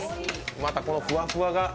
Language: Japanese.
またこのふわふわが。